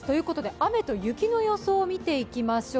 雨と雪の予想を見ていきましょう。